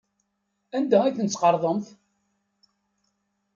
Anda ay tent-tqerḍemt?